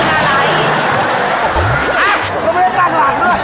เราก็ไม่ได้กลับหลังนึดอย่าง